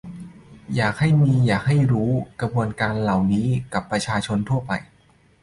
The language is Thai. อยากให้มีให้ความรู้กระบวนการเหล่านี้กับประชาชนทั่วไปด้วย